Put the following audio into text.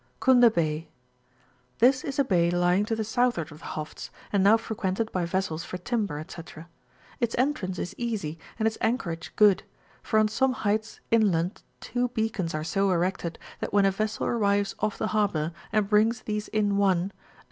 X1JNDA BAT. — ^This is a bay lying to the southward of the Hofts, and now fre quented by vessels for timber, &c. Its entrance is easy, and its anchorage good; for on some heights inland two beacons are so erected, that when a vessel arrives off the harbour, and brings these in one, a S.